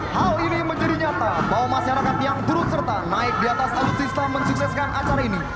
hal ini menjadi nyata bahwa masyarakat yang turut serta naik di atas alutsista mensukseskan acara ini